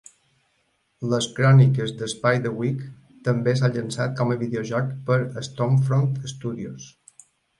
"Les Cròniques de Spiderwick" també s'ha llançat com a videojoc per Stormfront Studios.